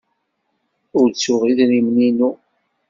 Ur ttuɣ idrimen-inu.